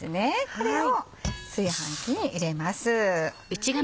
これを炊飯器に入れます。